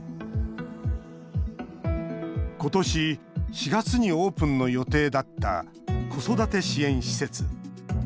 今年４月にオープンの予定だった子育て支援施設。